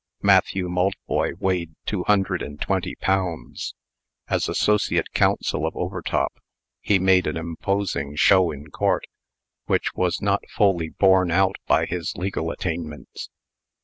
Matthew Maltboy weighed two hundred and twenty pounds. As associate counsel of Overtop, he made an imposing show in court, which was not fully borne out by his legal attainments.